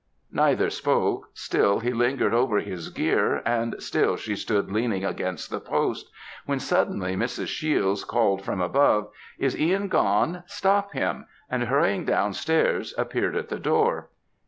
Neither spoke; still he lingered over his gear, and still she stood leaning against the post, when suddenly Mrs. Shiels called from above, "Is Ihan gone? Stop him!" and hurrying down stairs appeared at the door.